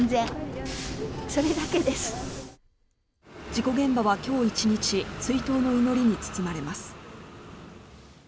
事故現場は今日１日追悼の祈りに包まれます。